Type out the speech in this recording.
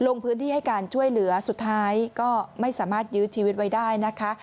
ลงพื้นที่ให้การช่วยเหลือสุดท้ายก็ไม่สามารถยื้อชีวิตไว้ได้นะคะ